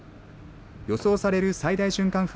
予想される最大瞬間